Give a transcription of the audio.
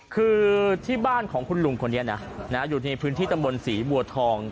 คือที่บ้านของคุณลุงคนนี้นะอยู่ในพื้นที่ตำบลศรีบัวทอง